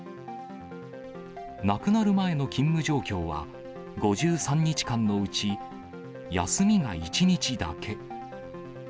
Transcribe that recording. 亡くなる前の勤務状況は、５３日間のうち、休みが１日だけ。